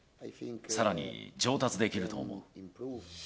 さらに上達できると思う。